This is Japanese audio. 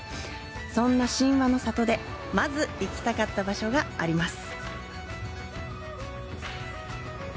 そんな神話の里で、まず行きたかった場所があります。